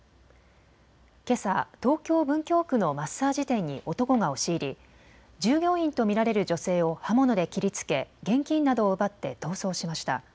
けさ東京文京区のマッサージ店に男が押し入り従業員と見られる女性を刃物で切りつけ現金などを奪って逃走しました。